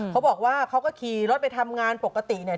เขาบอกว่าเขาก็ขี่รถไปทำงานปกติเนี่ย